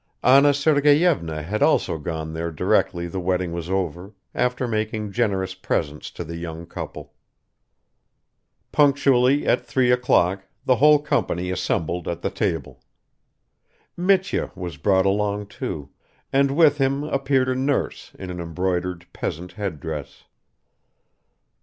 Anna Sergeyevna had also gone there directly the wedding was over, after making generous presents to the young couple. Punctually at three o'clock the whole company assembled at the table. Mitya was brought along too and with him appeared a nurse in an embroidered peasant headdress.